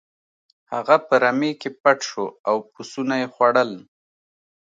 هغه په رمې کې پټ شو او پسونه یې خوړل.